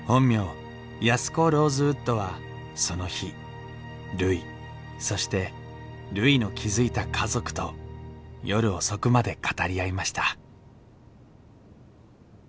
安子・ローズウッドはその日るいそしてるいの築いた家族と夜遅くまで語り合いました